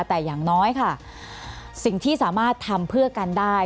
แต่อย่างน้อยค่ะสิ่งที่สามารถทำเพื่อกันได้